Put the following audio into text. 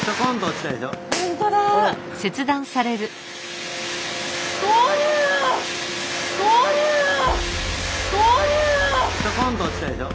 ちょこんと落ちたでしょ。